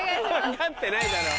分かってないだろ。